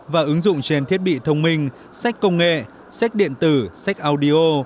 và ứng dụng trên thiết bị thông minh sách công nghệ sách điện tử sách audio